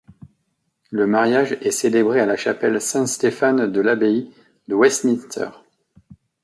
Le mariage est célébré à la chapelle Saint-Stéphane de l'abbaye de Westminster.